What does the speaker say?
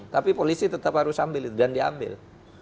tapi polisi tetap harus ambil itu dan diambil